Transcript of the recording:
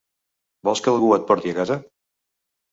Vols que algú et porti a casa?